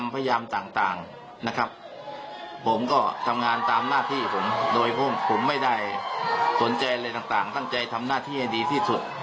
ผมไม่ได้สนใจอะไรต่างตั้งใจทำหน้าที่ให้ดีที่สุด